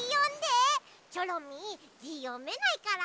チョロミーじよめないから。